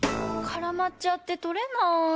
からまっちゃってとれない。